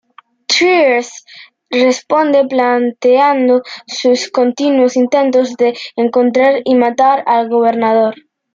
Tyreese responde planteando sus continuos intentos de encontrar y matar al Gobernador.